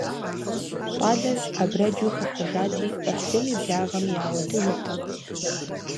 ЩӀалэр абрэджу хыхьэжати, Ӏыхьлыми благъэми ягъуэтыжыртэкъым.